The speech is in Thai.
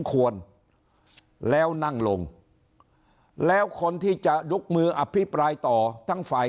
ควรแล้วนั่งลงแล้วคนที่จะยกมืออภิปรายต่อทั้งฝ่าย